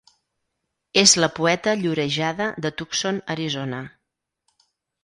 És la poeta llorejada de Tucson, Arizona.